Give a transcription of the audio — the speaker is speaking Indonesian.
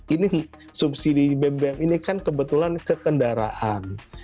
ini subsidi bbm ini kan kebetulan ke kendaraan